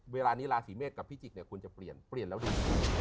เวลานี้ราศีเมษกับพิจิกเนี่ยควรจะเปลี่ยนเปลี่ยนแล้วดี